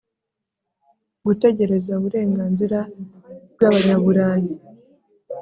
gutegereza uburenganzira bw Abanyaburayi